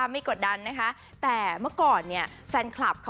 ให้องที่ง่าย